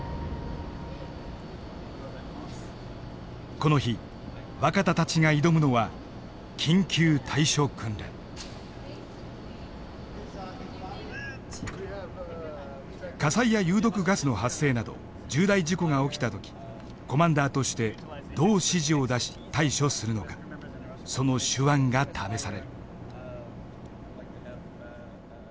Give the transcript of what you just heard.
この日若田たちが挑むのは火災や有毒ガスの発生など重大事故が起きた時コマンダーとしてどう指示を出し対処するのかその手腕が試される。